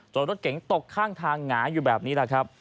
รถเก๋งตกข้างทางหงายอยู่แบบนี้แหละครับ